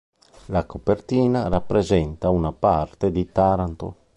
La copertina rappresenta una parte di Taranto.